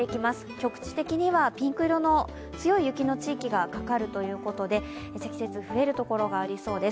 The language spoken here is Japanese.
局地的にはピンク色の強い雪の地域がかかるということで積雪増えるところがありそうです。